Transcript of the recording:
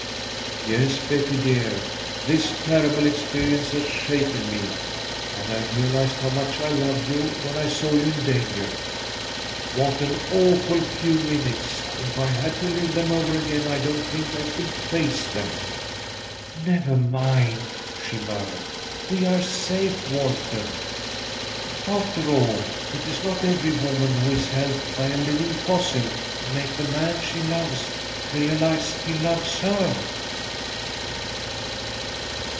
"Yes, Betty dear. This terrible experience has shaken me, and I realized how much I love you when I saw you in danger. What an awful few minutes! If I had to live them over again, I don't think I could face them." "Never mind," she murmured. "We are safe, Walter. After all, it's not every woman who is helped by a living fossil to make the man she loves realize he loves her!"